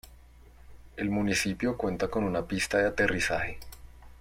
El municipio cuenta con una pista de aterrizaje.